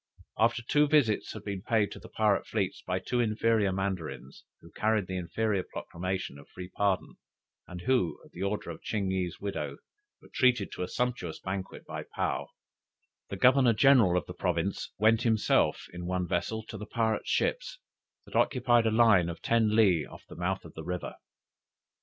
After two visits had been paid to the pirate fleets by two inferior Mandarins, who carried the Imperial proclamation of free pardon, and who, at the order of Ching yih's widow, were treated to a sumptuous banquet by Paou, the Governor general of the province went himself in one vessel to the pirates' ships, that occupied a line of ten le off the mouth of the river.